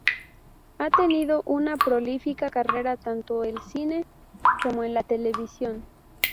Ha tenido una prolífica carrera tanto el cine como en la televisión.